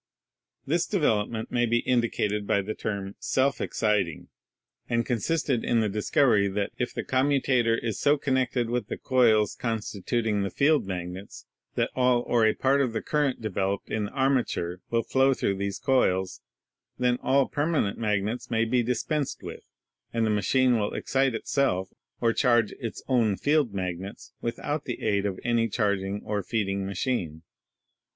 This develop ment may be indicated by the term "self exciting," and consisted in the discovery that if the commutator is so connected with the coils constituting the field magnets that all or a part of the current developed in the armature will flow through these coils, then all permanent magnets may be dispensed with, and the machine will excite itself or charge its own field magnets without the aid of any charg ing or feeding machine.